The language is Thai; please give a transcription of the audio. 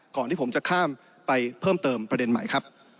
ก่อนที่ผมจะข้ามไปเพิ่มเติมประเด็นใหม่ครับ